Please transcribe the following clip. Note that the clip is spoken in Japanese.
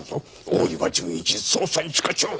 大岩純一捜査一課長。